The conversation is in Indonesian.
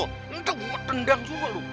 tentang lo tendang suka lo